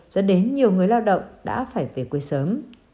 dẫn đến nhiều người lao động đã phải về quê sớm